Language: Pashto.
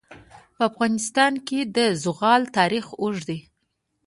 په افغانستان کې د زغال تاریخ اوږد دی.